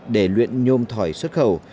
để luyện nhôm thỏi xuất khẩu